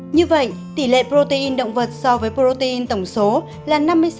như vậy tỷ lệ protein động vật so với protein tổng số là năm mươi sáu